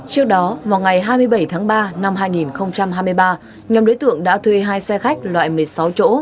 trước đó vào ngày hai mươi bảy tháng ba năm hai nghìn hai mươi ba nhóm đối tượng đã thuê hai xe khách loại một mươi sáu chỗ